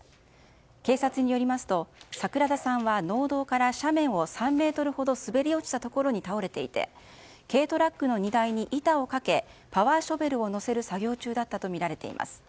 警察によりますと桜田さんは農道から斜面を３ｍほど滑り落ちたところに倒れていて軽トラックの荷台に板をかけパワーショベルを載せる作業中だったとみられています。